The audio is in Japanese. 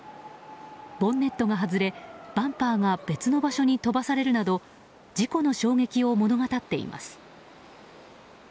ボンネットが外れ、バンパーが別の場所に飛ばされるなど事故の衝撃を物語っています。